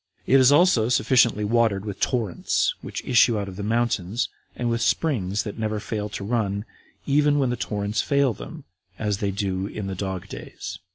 It is also sufficiently watered with torrents, which issue out of the mountains, and with springs that never fail to run, even when the torrents fail them, as they do in the dog days.